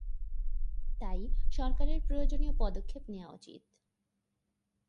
তাই সরকারের প্রয়োজনীয় পদক্ষেপ নেওয়া উচিত।